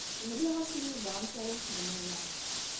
Mliɣ-as i Yuba amek ara yexdem aya.